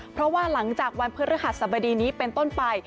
เพราะว่าหลังจากวันพฤหัสสบดีนี้เป็นต้นไป